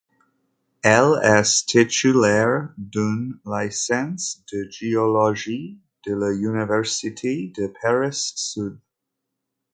Elle est titulaire d'une licence de géologie de l'université de Paris-Sud.